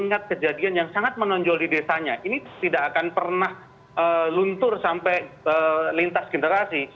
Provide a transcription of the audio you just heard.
ingat kejadian yang sangat menonjol di desanya ini tidak akan pernah luntur sampai lintas generasi